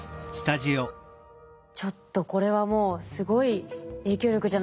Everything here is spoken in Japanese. ちょっとこれはもうすごい影響力じゃないですか。